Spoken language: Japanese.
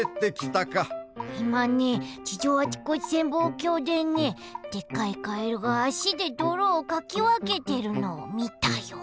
いまね地上あちこち潜望鏡でねでっかいカエルがあしでどろをかきわけてるのをみたよ！